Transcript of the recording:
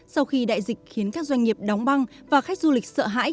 sau khi đại dịch khiến các doanh nghiệp đóng băng và khách du lịch sợ hãi